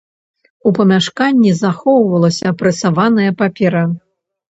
У памяшканні захоўвалася прэсаваная папера.